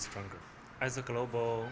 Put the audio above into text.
sebagai perusahaan global